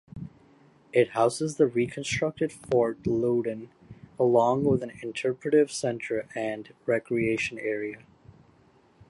It houses the reconstructed Fort Loudoun along with an interpretive center and recreation area.